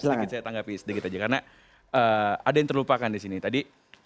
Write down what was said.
sedikit saya tanggapi sedikit aja karena ada yang terlupakan di sini tadi